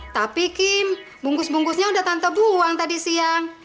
tapi kim bungkus bungkusnya udah tante buang tadi siang